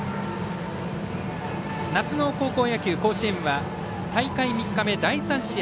夏の高校野球、甲子園は大会３日目、第３試合。